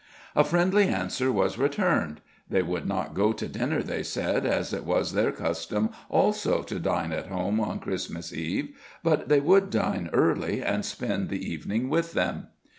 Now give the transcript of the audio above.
A friendly answer was returned: they would not go to dinner, they said, as it was their custom also to dine at home on Christmas eve; but they would dine early, and spend the evening with them.